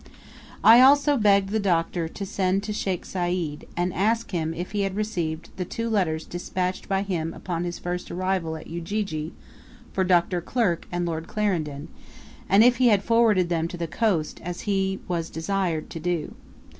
I also begged the Doctor to send to Sheikh Sayd, and ask him if he had received the two letters despatched by him upon his first arrival at Ujiji for Dr. Kirk and Lord Clarendon; and if he had forwarded them to the coast, as he was desired to do.